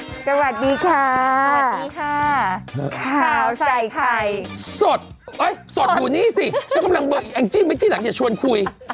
สวัสดีค่ะสวัสดีค่ะข้าวใส่ไข่สดสดอยู่นี่สิฉันกำลังเบิกแองจี้เมื่อกี้หลังจะชวนคุย